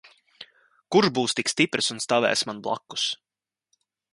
Kurš būs tik stiprs un stāvēs man blakus?